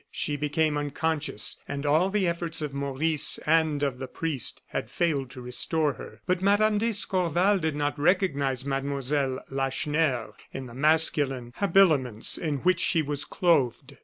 She became unconscious, and all the efforts of Maurice and of the priest had failed to restore her. But Mme. d'Escorval did not recognize Mlle. Lacheneur in the masculine habiliments in which she was clothed.